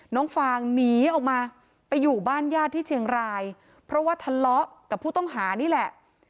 ฟางหนีออกมาไปอยู่บ้านญาติที่เชียงรายเพราะว่าทะเลาะกับผู้ต้องหานี่แหละ